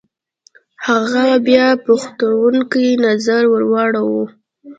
هغه بيا پوښتونکی نظر ور واړوه.